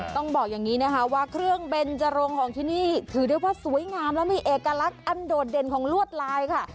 ต้องบอกอย่างนี้นะคะว่าเครื่องเบนจรงของที่นี่ถือได้ว่าสวยงามและมีเอกลักษณ์อันโดดเด่นของลวดลายค่ะ